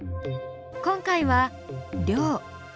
今回は「量」。